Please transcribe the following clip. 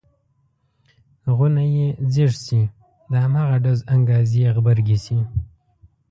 غونی یې ځیږ شي د هماغه ډز انګاز یې غبرګې شي.